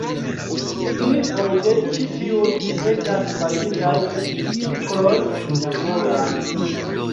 Signifoj de ĉi tiuj estas bazitaj de cikloj naturaj.